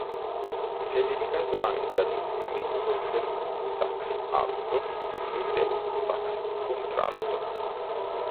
Si è dedicato anche all'insegnamento del sax alto e del sax contralto.